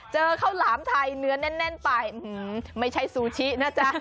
เจอข้าวหลามไทยเนื้อแน่นไปไม่ใช่ซูชินะจ๊ะ